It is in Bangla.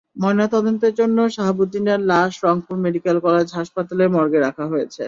ময়নাতদন্তের জন্য শাহাবুদ্দিনের লাশ রংপুর মেডিকেল কলেজ হাসপাতালের মর্গে রাখা হয়েছে।